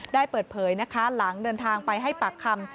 ได้เปิดเผยนะคะหลังเดินทางไปให้ปากคำ